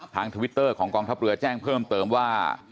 ทวิตเตอร์ของกองทัพเรือแจ้งเพิ่มเติมว่า